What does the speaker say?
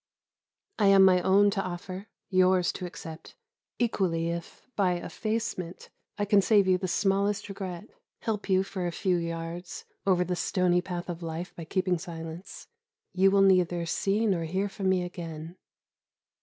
I am my own to offer, yours to accept equally if, by effacement, I can save you the smallest regret, help you for a few yards over the stony path of life by keeping silence, you will neither see nor hear from me again.